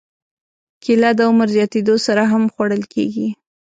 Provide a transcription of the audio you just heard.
کېله د عمر زیاتېدو سره هم خوړل کېږي.